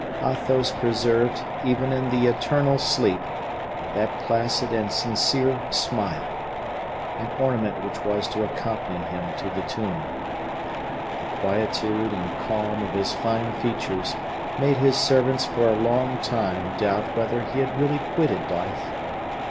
Athos preserved, even in the eternal sleep, that placid and sincere smile an ornament which was to accompany him to the tomb. The quietude and calm of his fine features made his servants for a long time doubt whether he had really quitted life.